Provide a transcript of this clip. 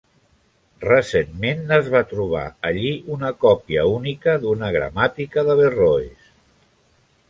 Recentment es va trobar allí una còpia única d'una gramàtica d'Averroes.